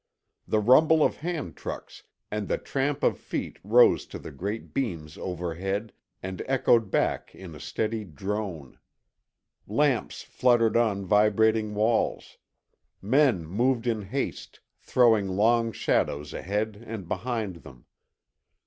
The rumble of hand trucks and the tramp of feet rose to the great beams overhead and echoed back in a steady drone. Lamps fluttered on vibrating walls. Men moved in haste, throwing long shadows ahead and behind them.